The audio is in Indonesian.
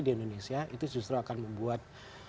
di indonesia itu justru akan membuat